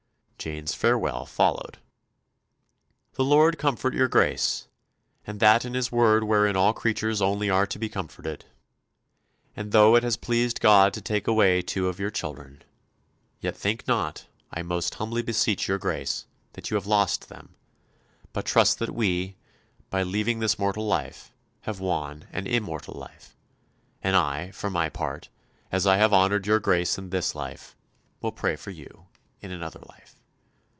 Jane's farewell followed: "The Lord comfort your Grace, and that in His word wherein all creatures only are to be comforted. And though it has pleased God to take away two of your children, yet think not, I most humbly beseech your Grace, that you have lost them, but trust that we, by leaving this mortal life, have won an immortal life. And I, for my part, as I have honoured your Grace in this life, will pray for you in another life.